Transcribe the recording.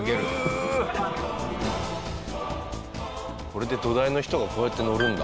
これで土台の人がこうやって乗るんだ。